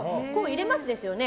入れますですよね。